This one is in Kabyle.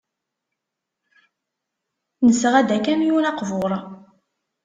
Nesɣa-d akamyun aqbur.